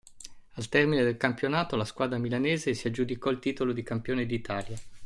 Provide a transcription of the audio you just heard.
Al termine del campionato la squadra milanese si aggiudicò il titolo di campione d'Italia.